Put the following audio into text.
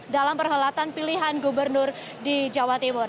dalam perhelatan pilihan gubernur di jawa timur